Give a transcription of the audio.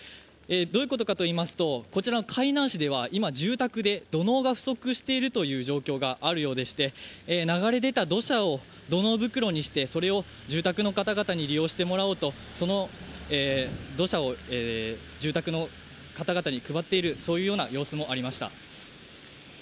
どういうことかといいますと、こちら海南市では今、住宅で土のうが不足しているという状況があるようでして、流れ出た土砂を土のう袋にしてそれを住宅の方々に利用してもらおうと、その土砂を住宅の方々に配っている様子もありました。